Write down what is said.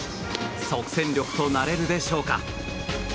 即戦力となれるでしょうか。